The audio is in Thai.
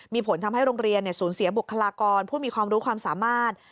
มีผลทำให้โรงเรียนสูญเสียบุคลากรผู้มีความรู้ความสามารถ